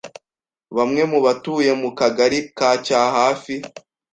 Bamwe mu batuye mu Kagali ka Cyahafi